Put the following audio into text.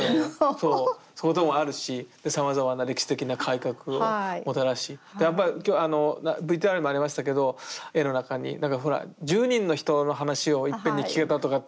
そういうこともあるしさまざまな歴史的な改革をもたらしでやっぱりＶＴＲにもありましたけど絵の中になんかほら１０人の人の話をいっぺんに聞けたとかって。